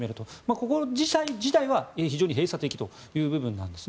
ここ自体は非常に閉鎖的という部分です。